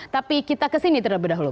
tapi kita kesini terlebih dahulu